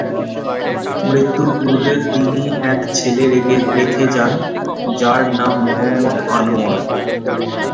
মৃত্যুর পূর্বে তিনি এক ছেলে রেখে যান, যার নাম মুহাম্মদ আনোয়ার।